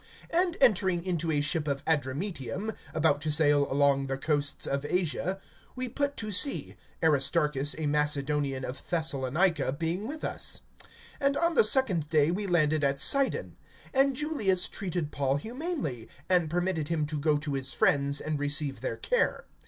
(2)And entering into a ship of Adramyttium, about to sail along the coasts of Asia, we put to sea, Aristarchus, a Macedonian of Thessalonica, being with us. (3)And on the second day we landed at Sidon. And Julius treated Paul humanely, and permitted him to go to his friends and receive their care.